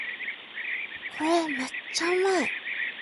これめっちゃうまい